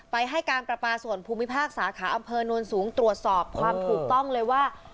ให้การประปาส่วนภูมิภาคสาขาอำเภอนวลสูงตรวจสอบความถูกต้องเลยว่า